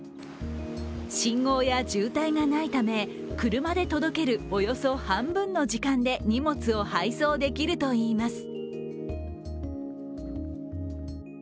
信号や渋滞がないため、車で届けるおよそ半分の時間で荷物を配送できるといいます。